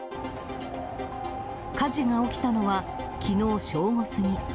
火事が起きたのは、きのう正午過ぎ。